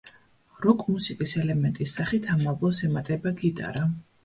როკ-მუსიკის ელემენტის სახით ამ ალბომს ემატება გიტარა.